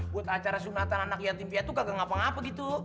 buat acara sunatan anak yatim fiat tuh kagak ngapa ngapa gitu